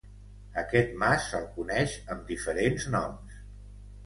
Aquest mas se'l coneix amb diferents noms.